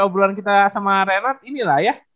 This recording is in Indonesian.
obrolan kita sama renard ini lah ya